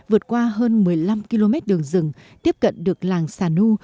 vượt qua hơn một mươi năm km đường rừng tiếp cận được làng sản nu